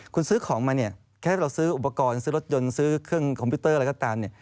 คุณซื้อของมาเนี่ยแค่เราซื้ออุปกรณ์ซื้อรถยนต์ซื้อเครื่องคอมพิวเตอร์อะไรก็ตามเนี่ย